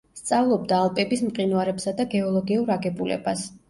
სწავლობდა ალპების მყინვარებსა და გეოლოგიურ აგებულებას.